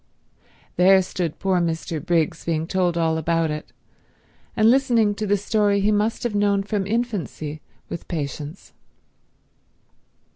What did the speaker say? There stood poor Mr. Briggs being told all about it, and listening to the story he must have known from infancy with patience.